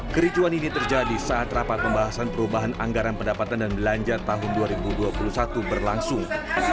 kericuan ini terjadi saat rapat pembahasan perubahan anggaran pendapatan dan belanja tahun dua ribu dua puluh satu berlangsung